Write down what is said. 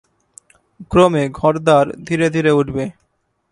ক্রমে ঘর-দ্বার ধীরে ধীরে উঠবে।